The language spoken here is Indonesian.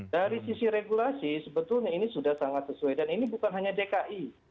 dari sisi regulasi sebetulnya ini sudah sangat sesuai dan ini bukan hanya dki